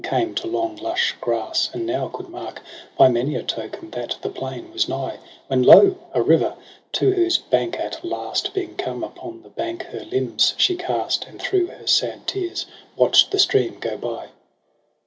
And came to long lush grass • and now coud mark By many a token that the plain was nigh. When lo ! a river : to whose brink at last Being come, upon the bank her limbs she cast. And through her sad tears watch'd the stream go by.